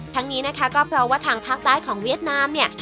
นี้นะคะก็เพราะว่าทางภาคใต้ของเวียดนามเนี่ย